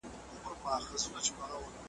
ابرار غر